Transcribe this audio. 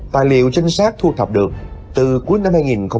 tài liệu chính xác thu thập được từ cuối năm hai nghìn một mươi hai